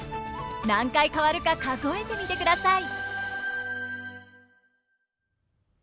何回変わるか数えてみてください！